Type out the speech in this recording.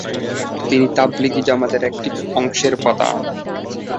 তিনি তাবলিগী জামাতের একটি অংশের প্রধান।